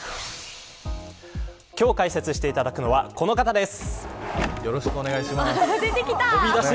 今日解説していただくのはこの方です。